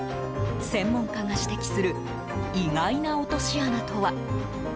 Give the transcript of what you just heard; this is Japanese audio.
専門家が指摘する意外な落とし穴とは。